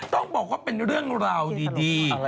ต้องบอกว่าเป็นเรื่องราวดี